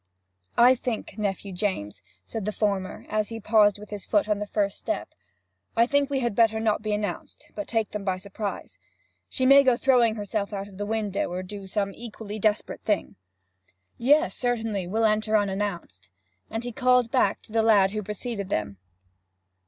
'I think, Nephew James,' said the former, as he paused with his foot on the first step 'I think we had better not be announced, but take them by surprise. She may go throwing herself out of the window, or do some equally desperate thing!' 'Yes, certainly, we'll enter unannounced.' And he called back the lad who preceded them.